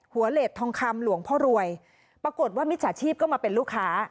เหล็ดทองคำหลวงพ่อรวยปรากฏว่ามิจฉาชีพก็มาเป็นลูกค้า